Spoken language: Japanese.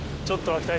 ちょっとは。